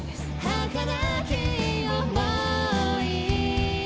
はかなき想い